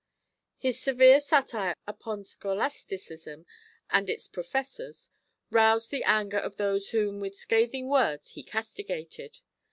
His severe satire upon scholasticism and its professors roused the anger of those whom with scathing words he castigated.